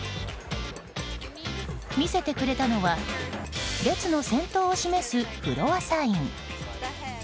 見せてくれたのは列の先頭を示すフロアサイン。